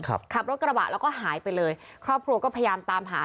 ขับรถกระบะแล้วก็หายไปเลยครอบครัวก็พยายามตามหา